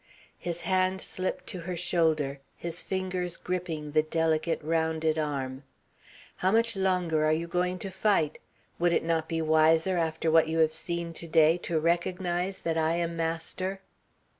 His hand slipped to her shoulder, his fingers gripping the delicate, rounded arm. "How much longer are you going to fight? Would it not be wiser after what you have seen to day to recognise that I am master?"